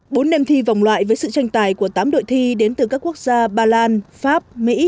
bốn đêm thi vòng loại với sự tranh tài của tám đội thi đến từ các quốc gia ba lan pháp mỹ